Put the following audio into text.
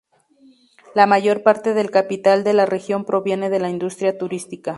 La mayor parte del capital de la región proviene de la industria turística.